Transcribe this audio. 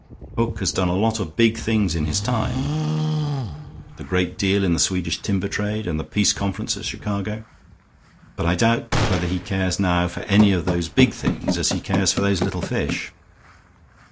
Hook has done a lot of big things in his time the great deal in the Swedish timber trade and the Peace Conference at Chicago but I doubt whether he cares now for any of those big things as he cares for those little fish."